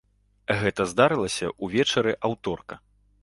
Гэта здарылася ўвечары аўторка.